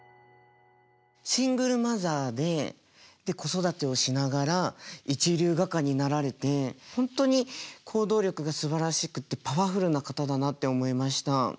シングルマザーで子育てをしながら一流画家になられて本当に行動力がすばらしくてパワフルな方だなって思いました。